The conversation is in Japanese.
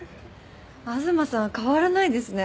東さんは変わらないですね。